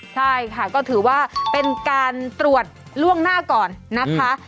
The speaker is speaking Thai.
ใช่ค่ะก็ถือว่าเป็นการตรวจล่วงหน้าก่อนนะคะ